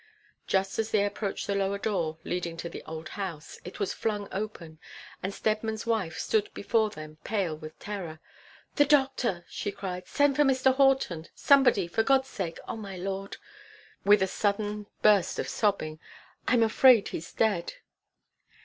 Just as they approached the lower door, leading to the old house, it was flung open, and Steadman's wife stood before them pale with terror. 'The doctor,' she cried; 'send for Mr. Horton, somebody, for God's sake. Oh, my lord,' with a sudden burst of sobbing, 'I'm afraid he's dead.'